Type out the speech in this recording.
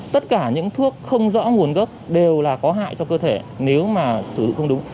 tất cả những thuốc không rõ nguồn gốc đều là có hại cho cơ thể nếu mà sử dụng không đúng